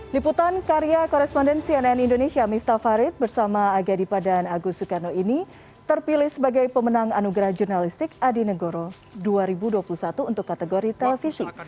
liputan karya koresponden cnn indonesia miftah farid bersama aga dipa dan agus sukarno ini terpilih sebagai pemenang anugerah jurnalistik adi negoro dua ribu dua puluh satu untuk kategori televisi